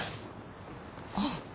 あっ